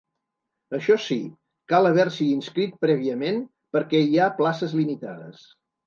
Això sí, cal haver-s’hi inscrit prèviament, perquè hi ha places limitades.